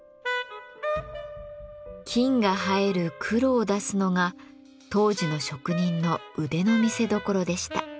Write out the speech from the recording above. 金が映える黒を出すのが当時の職人の腕の見せどころでした。